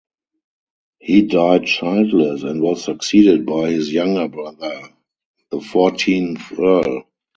He died childless and was succeeded by his younger brother, the fourteenth Earl.